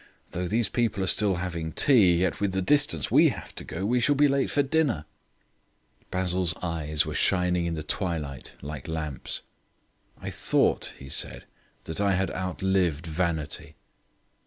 Though these people are still having tea, yet with the distance we have to go, we shall be late for dinner." Basil's eyes were shining in the twilight like lamps. "I thought," he said, "that I had outlived vanity."